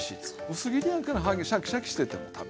薄切りやからシャキシャキしてても食べられる。